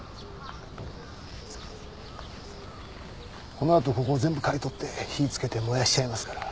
この後ここを全部刈り取って火付けて燃やしちゃいますから。